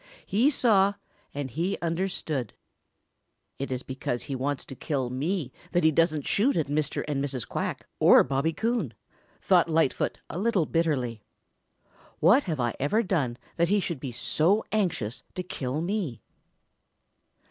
He saw and he understood. "It is because he wants to kill me that he doesn't shoot at Mr. and Mrs. Quack or Bobby Coon," thought Lightfoot a little bitterly. "What have I ever done that he should be so anxious to kill me?"